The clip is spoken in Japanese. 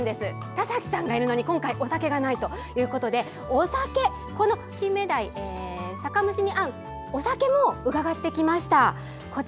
田崎さんがいるのに今回、お酒がないということでキンメダイの酒蒸しに合うお酒も伺ってきました。